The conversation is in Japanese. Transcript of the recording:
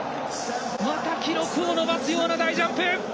また記録を伸ばすような大ジャンプ！